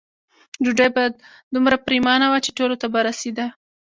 ډوډۍ به دومره پریمانه وه چې ټولو ته به رسېده.